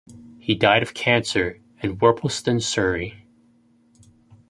He died of cancer in Worplesdon, Surrey.